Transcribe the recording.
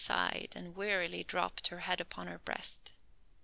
sighed, and wearily dropped her head upon her breast.